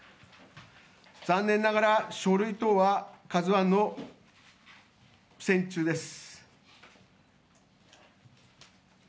残念ながら書類等は「ＫＡＺＵⅠ」の船中です。